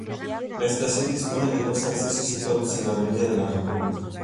La estación dispone de dos accesos situado en la avenida de la República.